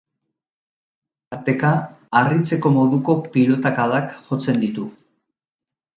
Tarteka harritzeko moduko pilotakadak jotzen ditu.